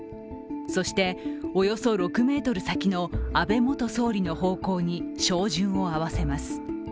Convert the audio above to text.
そして、およそ６ｍ先の安倍元総理の方向に照準を合わせます。